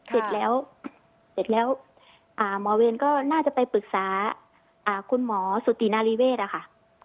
เสร็จแล้วเสร็จแล้วหมอเวรก็น่าจะไปปรึกษาคุณหมอสุตินารีเวศอะค่ะ